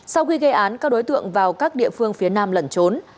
sau khi gây án các đối tượng vào các địa phương phía nam lẩn trốn